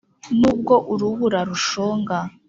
n ubw urubura rushonga